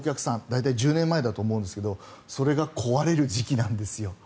大体１０年前だと思うんですがそれが壊れる時期なんですよ。